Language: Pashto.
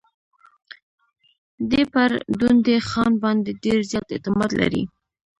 دی پر ډونډي خان باندي ډېر زیات اعتماد لري.